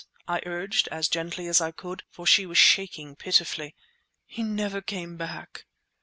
I urged, as gently as I could, for she was shaking pitifully. "He never came back!"